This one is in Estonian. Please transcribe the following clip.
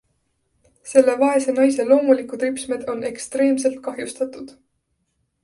Selle vaese naise loomulikud ripsmed on ekstreemselt kahjustatud.